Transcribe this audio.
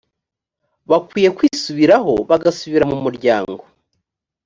bakwiye kwisubiraho bagasubira mu muryango